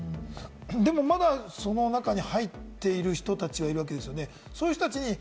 でも、まだその中に入っている人たちがいるわけですね。